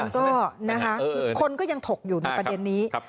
ก็นะคะคือคนก็ยังถกอยู่ในประเด็นนี้